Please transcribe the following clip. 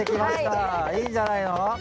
いいんじゃないの！